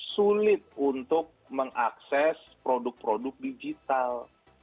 sulit untuk mengakses produk produk digital